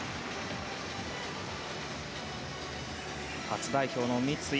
初代表の三井。